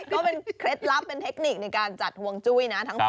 เคล็ดลับเป็นเทคนิคในการจัดห่วงจุ้ยนะ